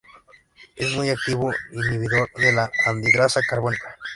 Es un muy activo inhibidor de la anhidrasa carbónica.